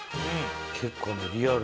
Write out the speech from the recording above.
結構ねリアル。